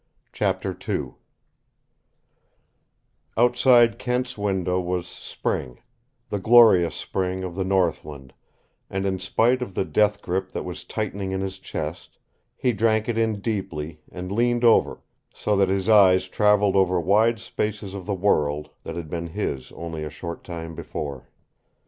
CHAPTER II Outside Kent's window was Spring, the glorious Spring of the Northland, and in spite of the death grip that was tightening in his chest he drank it in deeply and leaned over so that his eyes traveled over wide spaces of the world that had been his only a short time before.